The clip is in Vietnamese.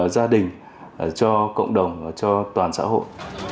gia đình cho cộng đồng cho toàn xã hội